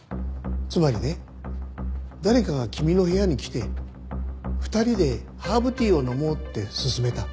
つまりね誰かが君の部屋に来て２人でハーブティーを飲もうって勧めた。